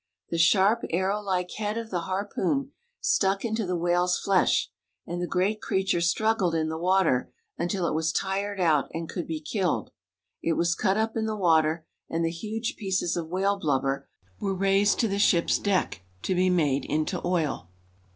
The sharp, arrowlike head of the harpoon stack into the whale's flesh, and the great creature struggled in the water until it was tired out and could be killed. It was cut up in the water, and the huge pieces of whale blubber were raised to the ship's deck, to be made into" oil.